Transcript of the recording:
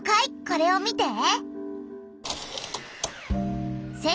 これを見て。